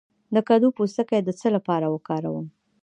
د کدو پوستکی د څه لپاره وکاروم؟